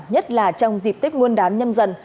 nhất là trong dịp tiếp nguồn đán nhâm dần